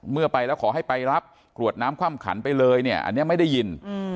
เมื่อไปแล้วขอให้ไปรับกรวดน้ำคว่ำขันไปเลยเนี่ยอันนี้ไม่ได้ยิน